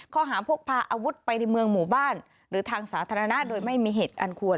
ข้อหาพกพาอาวุธไปในเมืองหมู่บ้านหรือทางสาธารณะโดยไม่มีเหตุอันควร